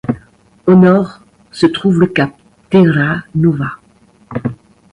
Au nord se trouve le cap Terra Nova.